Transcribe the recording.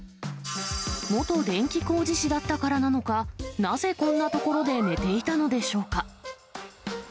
元電気工事士だったからなのか、なぜこんな所で寝ていたのでしょうか。